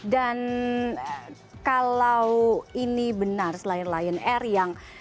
dan kalau ini benar selain lion air yang